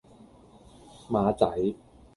馬仔